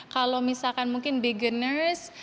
kalau misalkan mungkin beginners